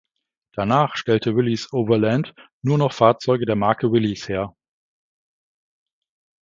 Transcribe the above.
Danach stellte Willys-Overland nur noch Fahrzeuge der Marke Willys her.